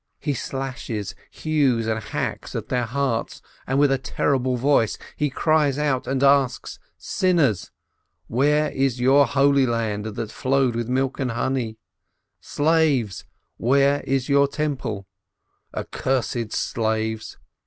He slashes, hews, and hacks at their hearts, and with a terrible voice he cries out and asks : "Sinners ! Where is your holy land that flowed with milk and honey? Slaves! Where is your Temple? Accursed slaves!